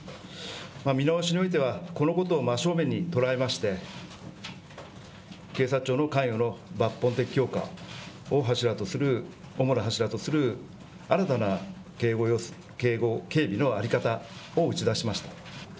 見直しにおいては、このことを真正面に捉えまして警察庁の抜本的強化を主な柱とする新たな警備の在り方を打ち出しました。